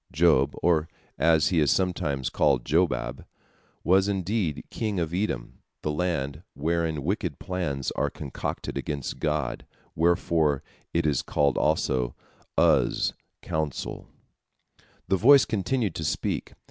" Job, or, as he is sometimes called, Jobab, was, indeed, king of Edom, the land wherein wicked plans are concocted against God, wherefore it is called also Uz, "counsel." The voice continued to speak.